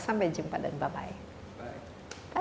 sampai jumpa dan bye bye